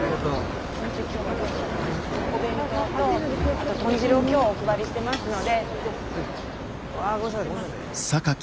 お弁当とあと豚汁を今日お配りしてますので。